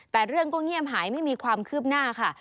แต่เรื่องก็เงียบหายไม่มีความคืบหน้าค่ะ